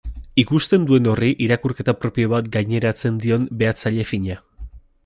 Ikusten duen horri irakurketa propio bat gaineratzen dion behatzaile fina.